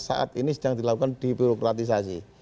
saat ini sedang dilakukan di birokratisasi